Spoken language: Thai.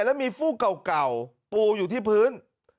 แล้วมีฟูกเก่าปูอยู่ที่พื้น